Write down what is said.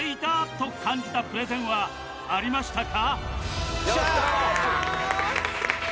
と感じたプレゼンはありましたか？